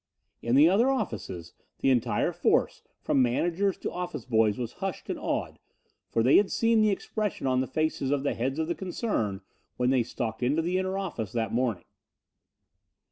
In the other offices the entire force from manager to office boys was hushed and awed, for they had seen the expressions on the faces of the heads of the concern when they stalked into the inner office that morning.